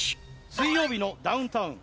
「水曜日のダウンタウン」